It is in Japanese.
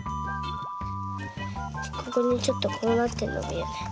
ここにちょっとこうなってんのがいや。